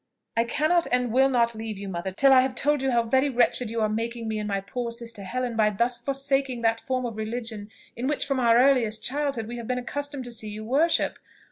"I cannot, and I will not leave you, mother, till I have told you how very wretched you are making me and my poor sister Helen by thus forsaking that form of religion in which from our earliest childhood we have been accustomed to see you worship.